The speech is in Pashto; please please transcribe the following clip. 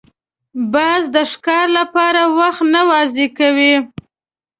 باز د ښکار لپاره وخت نه ضایع کوي